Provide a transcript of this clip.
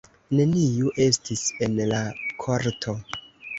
Neniu estis en la korto.